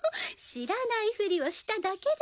知らないふりをしただけでしょう。